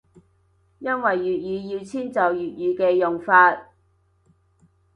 因為粵語要遷就粵語嘅用法